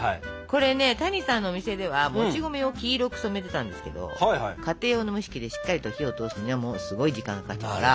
これね谷さんのお店ではもち米を黄色く染めてたんですけど家庭用の蒸し器でしっかりと火を通すにはすごい時間がかかっちゃうから。